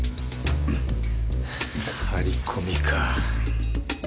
張り込みか。